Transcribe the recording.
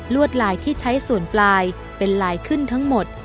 วดลายที่ใช้ส่วนปลายเป็นลายขึ้นทั้งหมด